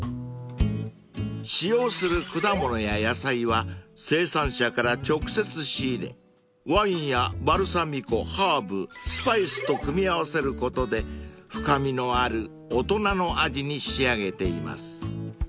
［使用する果物や野菜は生産者から直接仕入れワインやバルサミコハーブスパイスと組み合わせることで深みのある大人の味に仕上げています］